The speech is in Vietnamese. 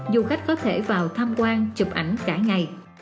du khách có thể vào tham quan chụp ảnh cả ngày